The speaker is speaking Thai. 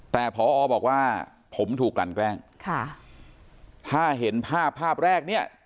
แต่พอบอกว่าผมถูกกลั่นแกล้งค่ะถ้าเห็นภาพภาพแรกเนี่ย